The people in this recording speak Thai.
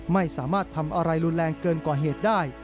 ไม่สามารถทำอะไรรุนแรงเกินกว่าเหตุได้